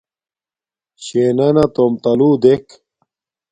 شݵنَنݳ تݸم تَلُݸ دݵک.